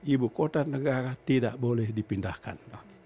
ibu kota negara tidak boleh dipindahkan